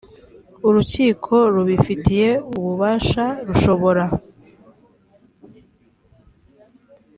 urukiko rubifitiye ububasha rushobora